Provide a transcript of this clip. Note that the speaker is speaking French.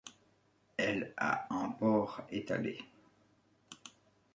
Elle a un port étalé.